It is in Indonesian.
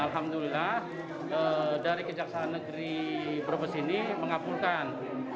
alhamdulillah dari kejaksaan negeri brebes ini mengabulkan